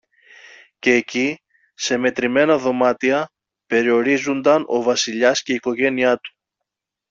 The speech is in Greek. Κι εκεί, σε μετρημένα δωμάτια, περιορίζουνταν ο Βασιλιάς και η οικογένεια του.